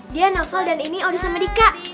dia novel dan ini udah sama dika